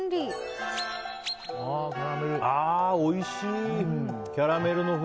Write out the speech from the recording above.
あー、おいしい！